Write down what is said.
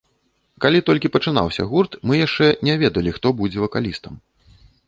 Калі толькі пачынаўся гурт, мы яшчэ не ведалі, хто будзе вакалістам.